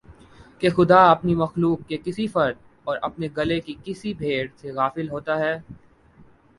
کہ خدا اپنی مخلوق کے کسی فرد اور اپنے گلے کی کسی بھیڑ سے غافل ہوتا ہے